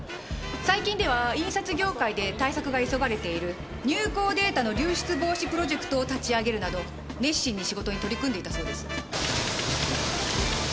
最近では印刷業界で対策が急がれている入稿データの流出防止プロジェクトを立ち上げるなど熱心に仕事に取り組んでいたそうです。